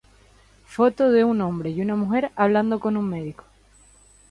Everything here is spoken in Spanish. Foto de un hombre y una mujer hablando con un médico